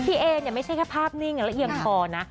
พี่เอเนี่ยไม่ใช่แค่ภาพนิ่งอย่างเอียงน่ะ